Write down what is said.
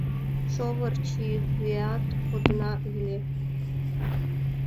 Шовыр чийыдеат кодына ыле.